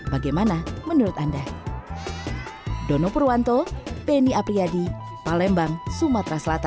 bagaimana menurut anda